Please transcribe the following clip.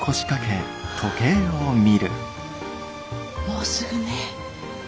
もうすぐね。